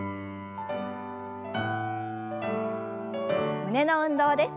胸の運動です。